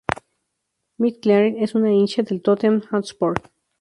McIntyre es un hincha del Tottenham Hotspur.